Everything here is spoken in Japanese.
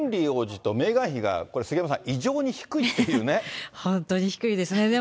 まあ、ヘンリー王子とメーガン妃が、これ、杉山さん、異常に本当に低いですね。